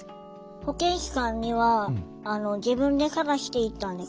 保健師さんには自分で探して行ったんですか？